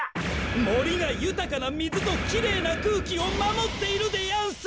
もりがゆたかなみずときれいなくうきをまもっているでやんす！